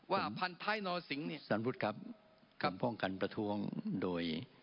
ว่าพันธายนรสิงศ์เสาร์พุทธครับก่ำพ่องกันประท้วงโดย